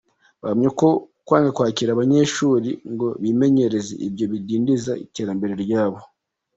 Bahamya ko uko kwanga kwakira abo banyeshuri, ngo bimenyereze ibyo bize bidindiza iterambere ryabo.